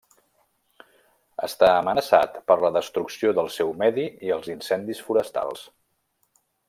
Està amenaçat per la destrucció del seu medi i els incendis forestals.